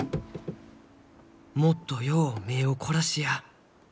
もっとよう目を凝らしや。